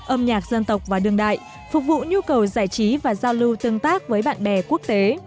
âm nhạc dân tộc và đường đại phục vụ nhu cầu giải trí và giao lưu tương tác với bạn bè quốc tế